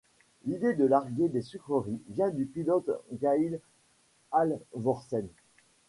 L'idée de larguer des sucreries vient du pilote Gail Halvorsen.